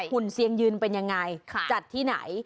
หุ่นเซียงยืนเป็นยังไงจัดที่ไหน